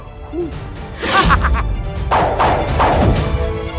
aku sangat bangga kepada mereka